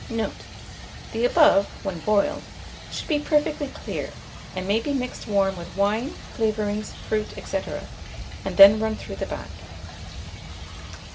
Note. The above, when boiled, should be perfectly clear, and may be mixed warm with wine, flavourings, fruits, &c., and then run through the bag.